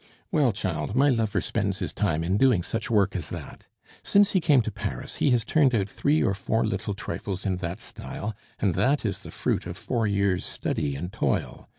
Well, child, my lover spends his time in doing such work as that. Since he came to Paris he has turned out three or four little trifles in that style, and that is the fruit of four years' study and toil.